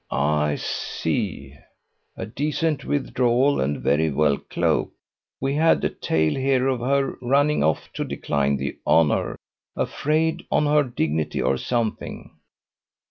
"I see. A decent withdrawal, and very well cloaked. We had a tale here of her running off to decline the honour, afraid, or on her dignity or something."